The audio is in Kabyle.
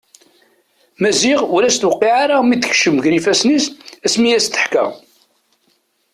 Maziɣ ur as-tuqiɛ ara mi d-tekcem gar ifasen-is asmi i as-d-teḥka.